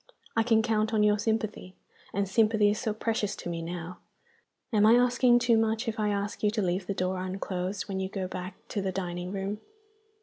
I can count on your sympathy and sympathy is so precious to me now! Am I asking too much, if I ask you to leave the door unclosed when you go back to the dining room?